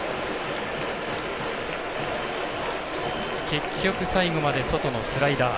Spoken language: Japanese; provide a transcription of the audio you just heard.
結局、最後まで外のスライダー。